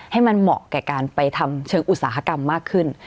ให้มันเหมาะแก่การไปทำเชิงอุตสาหกรรมมากขึ้น